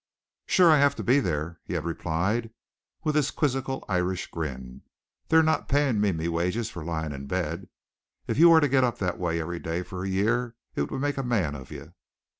"Shewer, I have to be theyre," he had replied with his quizzical Irish grin. "They're not payin' me me wages fer lyin' in bed. If ye were to get up that way every day fer a year it would make a man of ye!"